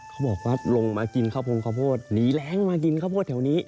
เขาบอกว่าลงมากินข้าวโพงข้าวโพดหนีแรงมากินข้าวโพดแถวนี้